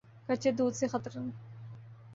کچے دودھ سے خطرن